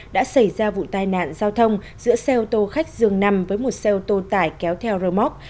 đã xảy ra vụ tai nạn giao thông giữa xe ô tô khách dường nằm với một xe ô tô tải kéo theo rơ móc